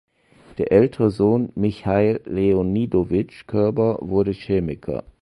Der ältere Sohn Michail Leonidowitsch Körber wurde Chemiker.